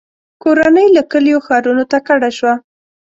• کورنۍ له کلیو ښارونو ته کډه شوه.